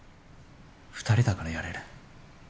２人だからやれる。